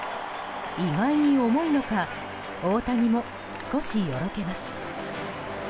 意外に重いのか大谷も少しよろけます。